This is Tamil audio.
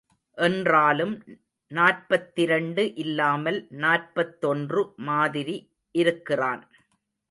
என்றாலும் நாற்பத்திரண்டு இல்லாமல் நாற்பத்தொன்று மாதிரி இருக்கிறான்,.